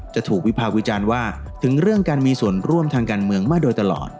จะถูกวิภาควิจารณ์ว่าถึงเรื่องการมีส่วนร่วมทางการเมืองมาโดยตลอด